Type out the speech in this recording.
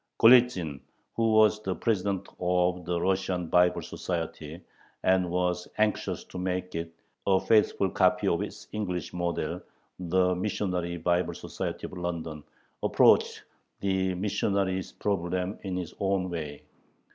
Golitzin, who was the president of the Russian Bible Society, and was anxious to make it a faithful copy of its English model, the Missionary Bible Society of London, approached the missionary problem in his own way.